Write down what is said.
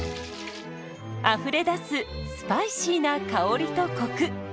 あふれ出すスパイシーな香りとコク。